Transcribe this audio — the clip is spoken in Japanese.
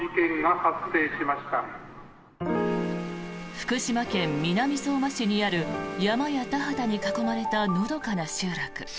福島県南相馬市にある山や田畑に囲まれたのどかな集落。